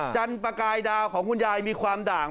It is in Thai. จันประกายดาวของคุณยายมีความด่าง